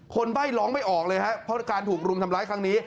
ใบ้ร้องไม่ออกเลยครับเพราะการถูกรุมทำร้ายครั้งนี้